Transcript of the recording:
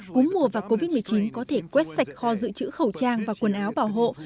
cúm mùa và covid một mươi chín có thể quét sạch kho dự trữ khẩu trang và quần áo bảo hộ